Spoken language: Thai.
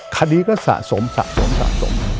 คดีก็สะสมสะสมสะสม